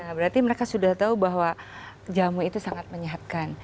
nah berarti mereka sudah tahu bahwa jamu itu sangat menyehatkan